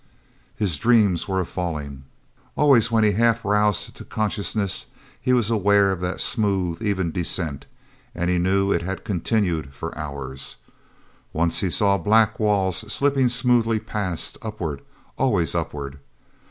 is dreams were of falling. Always when he half roused to consciousness he was aware of that smooth, even descent, and he knew it had continued for hours. Once he saw black walls slipping smoothly past, upward, always upward.